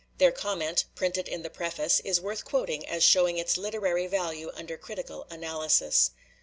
Their comment, printed in the preface, is worth quoting as showing its literary value under critical analysis.